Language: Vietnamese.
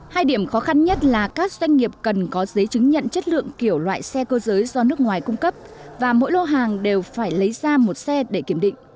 hai điểm khó khăn nhất là các doanh nghiệp cần có giấy chứng nhận chất lượng kiểu loại xe cơ giới do nước ngoài cung cấp và mỗi lô hàng đều phải lấy ra một xe để kiểm định